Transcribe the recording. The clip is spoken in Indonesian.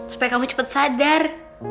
supaya kamu cepet sadar